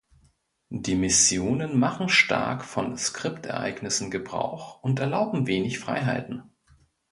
Die Missionen machen stark von Skriptereignissen gebrauch und erlauben wenig Freiheiten.